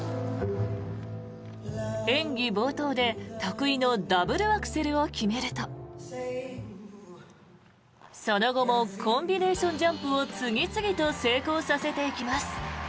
演技冒頭で得意のダブルアクセルを決めるとその後もコンビネーションジャンプを次々と成功させていきます。